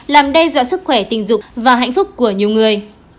làm đe dọa sức khỏe tình dục và hạnh phúc của nhiều người